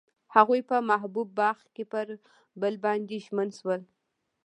هغوی په محبوب باغ کې پر بل باندې ژمن شول.